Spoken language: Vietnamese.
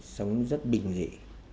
sống rất bình dị